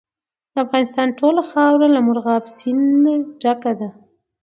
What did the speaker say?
د افغانستان ټوله خاوره له مورغاب سیند ډکه ده.